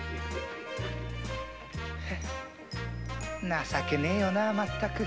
情けねえよな全く！